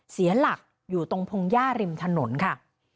เสียหลักอยู่ตรงพงหญ้าริมถนนค่ะ